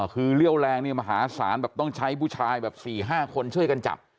คือเรี่ยวแรงเนี่ยมหาศาลแบบต้องใช้ผู้ชายแบบ๔๕คนช่วยกันจับ